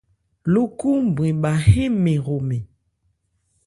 Ló khúúnbrɛn bha hɛ́n mɛ́n hromɛn.